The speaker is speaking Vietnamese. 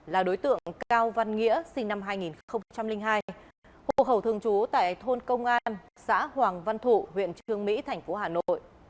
là đối tượng cao văn nghĩa sinh năm hai nghìn hai hồ hậu thường trú tại thôn công an xã hoàng văn thụ huyện trương mỹ thành phố hà nội